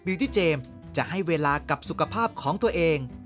ที่เจมส์จะให้เวลากับสุขภาพของตัวเอง